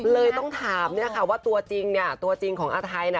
เลยต้องถามว่าตัวจริงนี่ครับตัวจริงของอาทัยนะ